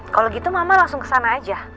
kalau gitu mama langsung ke sana aja